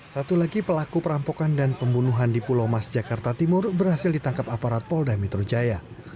satu lagi pelaku perampokan dan pembunuhan di pulau mas jakarta timur berhasil ditangkap aparat polda metro jaya